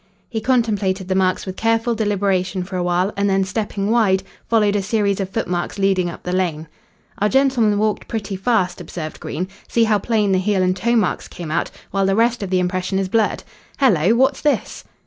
He contemplated the marks with careful deliberation for a while, and then, stepping wide, followed a series of footmarks leading up the lane. "Our gentleman walked pretty fast," observed Green. "See how plain the heel and toe marks come out, while the rest of the impression is blurred. Hello! what's this?"